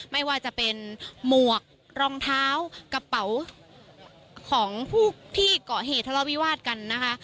ไม่ว่าจะเป็นหมวกรองเท้ากระเป๋าของผู้ที่เกาะเหตุทะเลาวิวาสกันนะคะ